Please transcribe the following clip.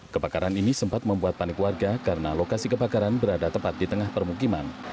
kebakaran ini sempat membuat panik warga karena lokasi kebakaran berada tepat di tengah permukiman